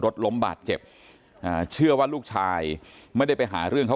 แล้วหลังจากนั้นเราขับหนีเอามามันก็ไล่ตามมาอยู่ตรงนั้น